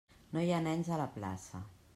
No hi ha nens a la plaça!